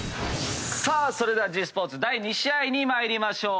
それではｇスポーツ第２試合に参りましょう。